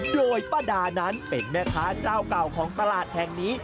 โดยป้าดานั้นเป็นแม่ค้าเจ้าเก่าของตลาดแห่งนี้